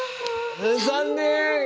残念！